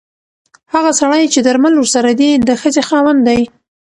هغه سړی چې درمل ورسره دي د ښځې خاوند دی.